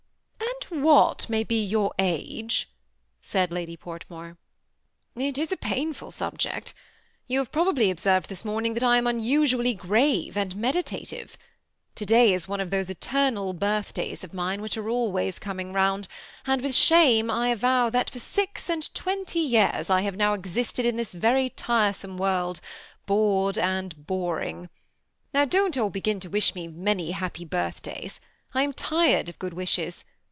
" And what may be your age ?" said Lady Port more. "It is a painful subject. You have probably ob served this morning that I am unusually grave and meditative. To day is one of those eternal birthdays of mine, which are always coming round; and with shame I avow, that for six and twenty years I have now existed in this very tiresome world, bored and bor 6* 106 THE SEMI ATTACHED COUPLE. ing. Now don't all begin to wish me many happy birthdays. I am tired of good wishes.